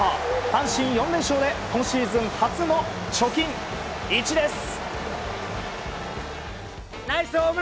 阪神、４連勝で今シーズン初の貯金１です。